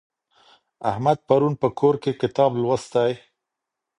احمد پرون په کور کي کتاب لوستی.